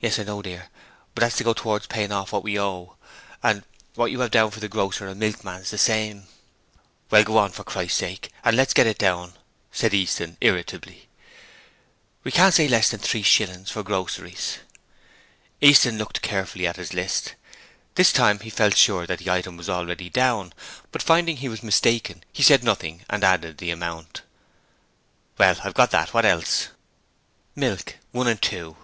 'Yes, I know, dear, but that's to go towards paying off what we owe, and what you have down for the grocer and milkman's the same.' 'Well, go on, for Christ's sake, and let's get it down,' said Easton, irritably. 'We can't say less than three shillings for groceries.' Easton looked carefully at his list. This time he felt sure that the item was already down; but finding he was mistaken he said nothing and added the amount. 'Well, I've got that. What else?' 'Milk, one and two.'